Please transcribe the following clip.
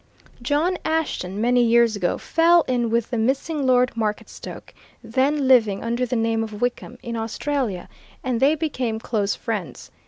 John Ashton, many years ago, fell in with the missing Lord Marketstoke, then living under the name of Wickham, in Australia, and they became close friends.